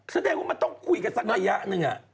แสดงว่ามันต้องคุยกันสักระยะหนึ่ง